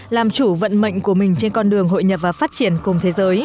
làm chủ vận mệnh của mình trên con đường hội nhập và phát triển cùng thế giới